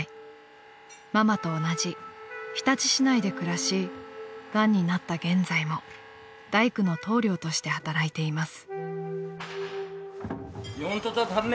［ママと同じ日立市内で暮らしがんになった現在も大工の棟梁として働いています］